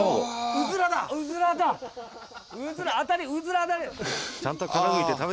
うずら当たりうずら当たり。